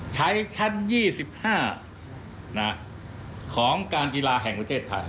ชั้น๒๕ของการกีฬาแห่งประเทศไทย